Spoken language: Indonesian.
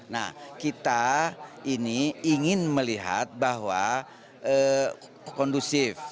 nah kita ini ingin melihat bahwa kondusif